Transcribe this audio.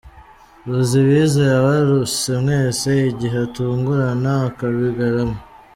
Ruzibiza yabaruse mwese igihe atungurana akabigarama.